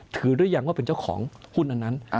หรือยังว่าเป็นเจ้าของหุ้นอันนั้น